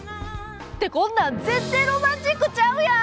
ってこんなん全然ロマンチックちゃうやん！